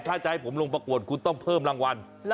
ถ้าจะให้ผมลงประกวดคุณต้องเพิ่มรางวัล